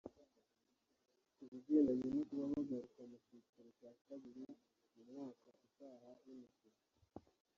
Ku bigendanye no kuba bagaruka mu cyiciro cya kabiri mu mwaka utaha w’imikino